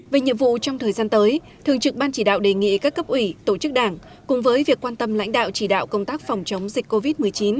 về nhiệm vụ trong thời gian tới thường trực ban chỉ đạo đề nghị các cấp ủy tổ chức đảng cùng với việc quan tâm lãnh đạo chỉ đạo công tác phòng chống dịch covid một mươi chín